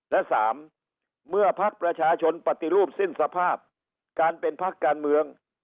และสามเมื่อภักดิ์ประชาชนปฏิรูปเส้นสภาพการเป็นภักดิ์การเมือง